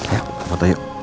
ya pak foto yuk